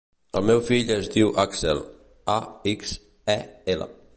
El meu fill es diu Axel: a, ics, e, ela.